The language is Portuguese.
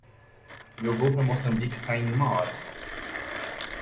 Meu voo para Moçambique sai em uma hora.